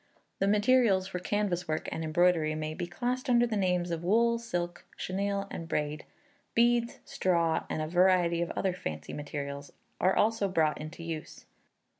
The materials for canvas work and embroidery may be classed under the names of wool, silk, chenille, and braid; beads, straw, and a variety of other fancy materials, are also brought into use.